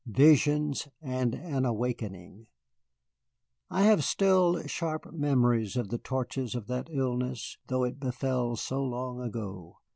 VISIONS, AND AN AWAKENING I have still sharp memories of the tortures of that illness, though it befell so long ago.